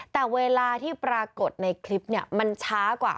แต่เวลาที่ปรากฏในคลิปเนี่ยมันช้ากว่า